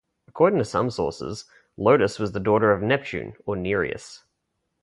According to some sources, Lotis was the daughter of Neptune or Nereus.